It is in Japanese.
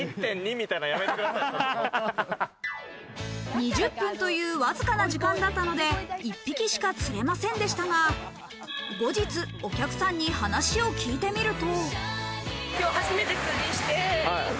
２０分というわずかな時間だったので、１匹しか釣れませんでしたが、後日、お客さんに話を聞いてみると。